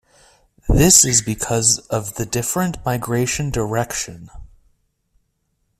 This is because of the different migration direction.